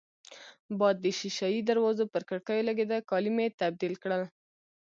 باد د شېشه يي دروازو پر کړکېو لګېده، کالي مې تبدیل کړل.